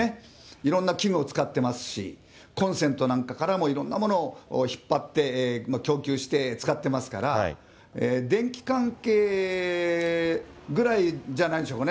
いろんな器具を使ってますし、コンセントなんかからも、いろんなものを引っ張って、供給して使ってますから、電気関係ぐらいじゃないでしょうかね。